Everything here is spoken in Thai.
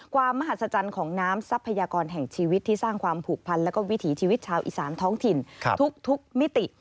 ความมหัศจรรย์ของน้ำทรัพยากรแห่งชีวิตที่สร้างความผูกพันและวิถีชีวิตชาวอีสานท้องถิ่นทุกมิติ